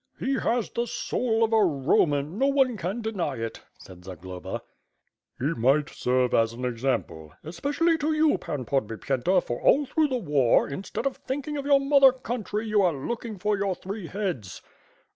"He has the soul of a Roman, no one can deny it," said Zagloba. "He might serve as an example." "Especially to you, Pan Podbipyenta, for all through the war, instead of thinking of your mother country, you are looking for your three heads."